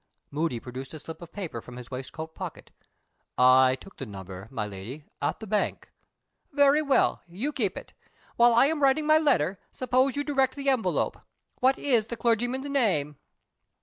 Moody produced a slip of paper from his waistcoat pocket. "I took the number, my Lady, at the bank." "Very well. You keep it. While I am writing my letter, suppose you direct the envelope. What is the clergyman's name?"